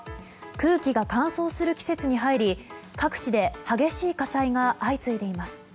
空気が乾燥する季節に入り各地で激しい火災が相次いでいます。